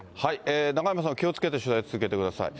中山さんも気をつけて取材続けてください。